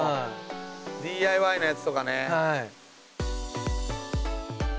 ＤＩＹのやつとかね。